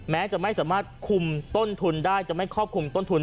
แม้จะไม่สามารถคุมต้นทุนได้จะไม่ครอบคลุมต้นทุน